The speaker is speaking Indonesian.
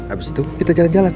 abis itu kita jalan jalan